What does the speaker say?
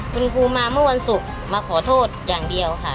คุณครูมาเมื่อวันศุกร์มาขอโทษอย่างเดียวค่ะ